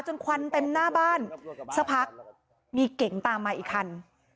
ควันเต็มหน้าบ้านสักพักมีเก่งตามมาอีกคัน